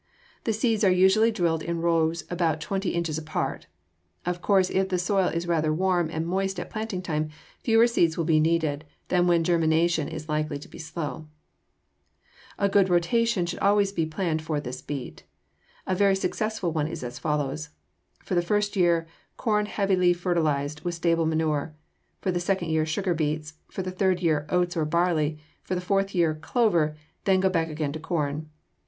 The seeds are usually drilled in rows about twenty inches apart. Of course, if the soil is rather warm and moist at planting time, fewer seeds will be needed than when germination is likely to be slow. [Illustration: FIG. 211. SUGAR BEET] A good rotation should always be planned for this beet. A very successful one is as follows: for the first year, corn heavily fertilized with stable manure; for the second year, sugar beets; for the third year, oats or barley; for the fourth year, clover; then go back again to corn.